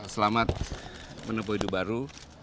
selamat menepuh hidup baru